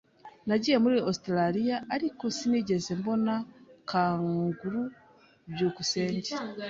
Nagiye muri Ositaraliya, ariko sinigeze mbona kanguru. byukusenge